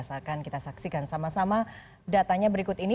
akan kita saksikan sama sama datanya berikut ini